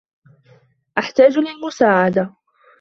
أحتاج للمساعدة.